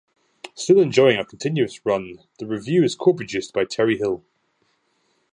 Still enjoying a continuous run, the revue is co-produced by Terry Hill.